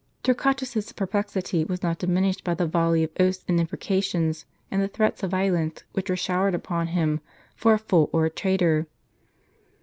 Torquatus's perplexity was not diminished by the volley of oaths and imprecations, and the threats of violence which were showered upon him, for a fool or a traitor.